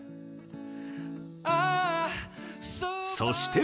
そして。